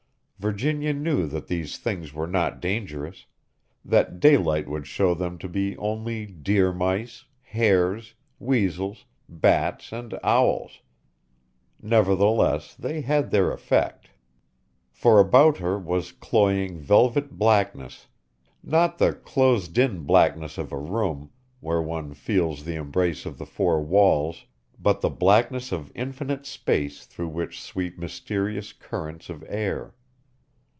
Virginia knew that these things were not dangerous that daylight would show them to be only deer mice, hares, weasels, bats, and owls nevertheless, they had their effect. For about her was cloying velvet blackness not the closed in blackness of a room, where one feels the embrace of the four walls, but the blackness of infinite space through which sweep mysterious currents of air.